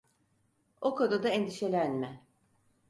O konuda endişelenme.